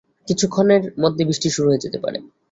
কিছুক্ষণের মধ্যে বৃষ্টি শুরু হয়ে যেতে পারে।